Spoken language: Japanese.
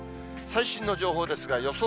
最新の情報ですが、予想